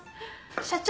社長。